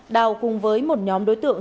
đào cùng với một nhóm đối tượng